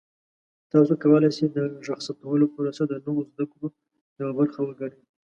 تاسو کولی شئ د غږ ثبتولو پروسه د نوو زده کړو یوه برخه وګڼئ.